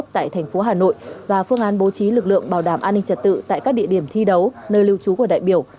tại thành phố hà nội và phương án bố trí lực lượng bảo đảm an ninh trật tự tại các địa điểm thi đấu nơi lưu trú của đại biểu